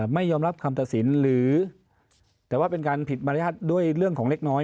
ไม่ยอมรับคำตัดสินหรือแต่ว่าเป็นการผิดมารยาทด้วยเรื่องของเล็กน้อย